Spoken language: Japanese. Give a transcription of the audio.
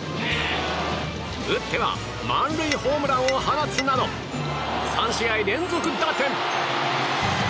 打っては満塁ホームランを放つなど３試合連続打点。